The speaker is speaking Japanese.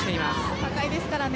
高いですからね。